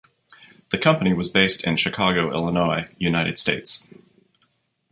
The company was based in Chicago, Illinois, United States.